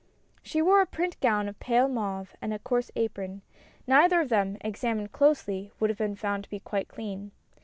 She wore a print gown of pale mauve and a coarse apron ; neither of them, examined closely, would have been found to be quite clean.